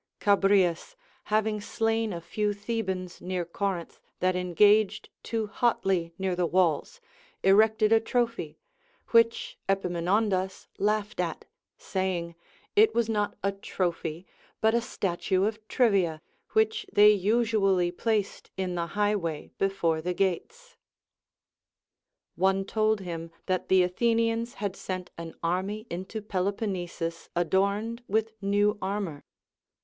Cha brias, having slain a few Thebans near Corinth, that en gaged too hotly near the walls, erected a trophy, Avhich Epaminondas laughed at, saying, it was not a trophy, but a statue of Trivia, Avhich they usually placed in the high way before the gates. One told him that the Athenians AND GREAT COMMANDERS. 225 had sent an army into Peloponnesus adorned with new armor.